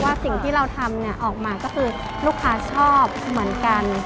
สิ่งที่เราทำเนี่ยออกมาก็คือลูกค้าชอบเหมือนกัน